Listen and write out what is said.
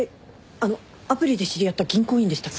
あのアプリで知り合った銀行員でしたっけ？